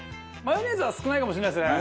マヨネーズは少ないかもしれないですね。